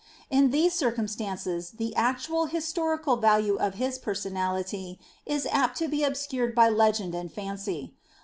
In these circumstances the actual his torical value of his personality is apt to be obscured by legend and fancy.